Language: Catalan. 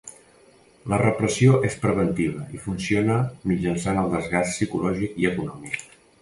La repressió és preventiva i funciona mitjançant el desgast psicològic i econòmic.